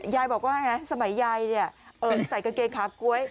ยายบอกว่าสมัยยายเนี่ยใส่กางเกงขาก๊วย